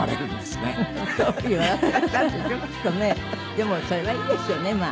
でもそれはいいですよねまあ。